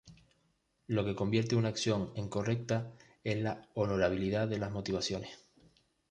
Lo que convierte una acción en correcta es la honorabilidad de las motivaciones.